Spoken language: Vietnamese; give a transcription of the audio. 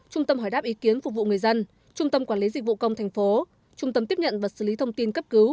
trung tâm hỏi đáp ý kiến phục vụ người dân trung tâm quản lý dịch vụ công thành phố trung tâm tiếp nhận và xử lý thông tin cấp cứu